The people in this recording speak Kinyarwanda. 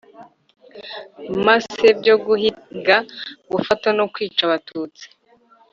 Masse byo guhiga gufata no kwica Abatutsi